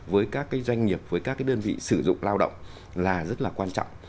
với các cái doanh nghiệp với các cái đơn vị sử dụng lao động là rất là quan trọng